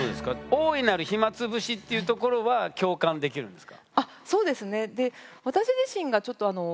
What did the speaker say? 大いなる暇つぶしっていうところは共感できるんですか？